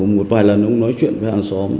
một vài lần ông nói chuyện với hàng xóm